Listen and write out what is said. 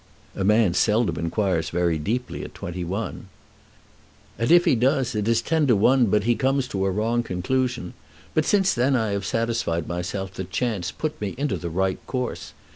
"A man seldom inquires very deeply at twenty one." "And if he does it is ten to one but he comes to a wrong conclusion. But since then I have satisfied myself that chance put me into the right course.